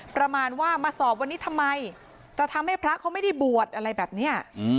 ประมาณว่ามาสอบวันนี้ทำไมจะทำให้พระเขาไม่ได้บวชอะไรแบบนี้